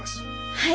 はい！